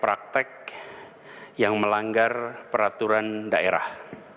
praktek yang melanggar peraturan daerah